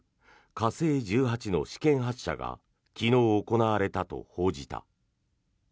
火星１８の試験発射が昨日行われたと報じた。